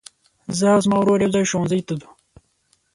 زه او زما ورور يوځای ښوونځي ته ځو.